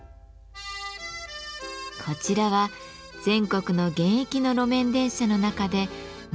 こちらは全国の現役の路面電車の中で最も古い車両です。